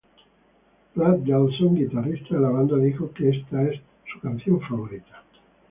Brad Delson, guitarrista de la banda, dijo que esta es su canción favorita.